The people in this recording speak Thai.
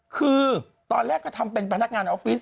คือตอนแรกก็ทำเป็นพนักงานออฟฟิศ